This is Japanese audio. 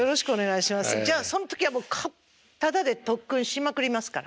じゃあその時はただで特訓しまくりますから。